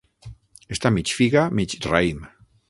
Està mig figa mig raïm.